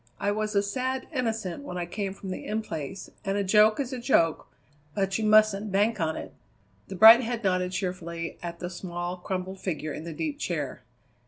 I was a sad innocent when I came from the In Place, and a joke is a joke, but you mustn't bank on it." The bright head nodded cheerfully at the small, crumpled figure in the deep chair.